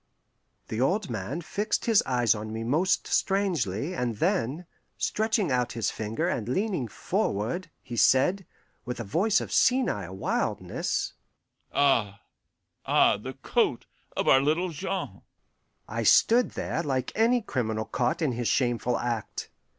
The old man fixed his eyes on me most strangely, and then, stretching out his finger and leaning forward, he said, with a voice of senile wildness, "Ah, ah, the coat of our little Jean!" I stood there like any criminal caught in his shameful act.